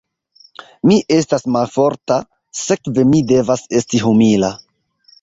Mi estas malforta, sekve mi devas esti humila.